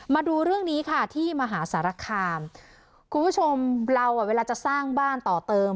มาดูเรื่องนี้ค่ะที่มหาสารคามคุณผู้ชมเราอ่ะเวลาจะสร้างบ้านต่อเติม